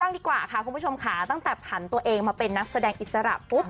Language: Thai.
ข้อบบ้างดีกว่าคะตั้งแต่ผันตัวเองมาเป็นนักแสดงอิกษระ